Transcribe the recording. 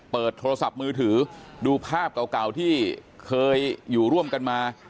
เปิดโทรศัพท์มือถือดูภาพเก่าที่เคยอยู่ร่วมกันมา